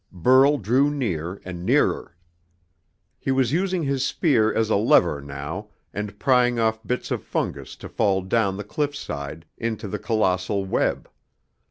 Burl drew near, and nearer. He was using his spear as a lever, now, and prying off bits of fungus to fall down the cliffside into the colossal web.